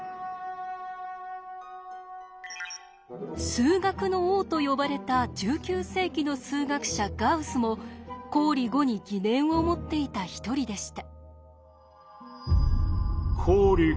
数学の王と呼ばれた１９世紀の数学者ガウスも公理５に疑念を持っていた一人でした。